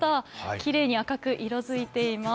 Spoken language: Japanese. きれいに赤く色づいています。